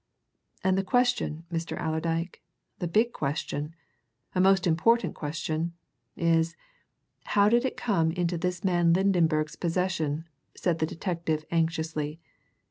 "And the question, Mr. Allerdyke, the big question a most important question! is, how did it come into this man Lydenberg's possession?" said the detective anxiously.